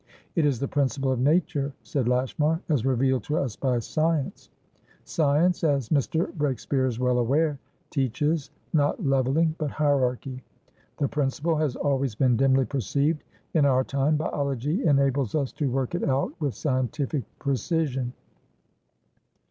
"It is the principle of nature," said Lashmar, "as revealed to us by science. Scienceas Mr. Breakspeare is well awareteaches, not levelling, but hierarchy. The principle has always been dimly perceived. In our time, biology enables us to work it out with scientific precision."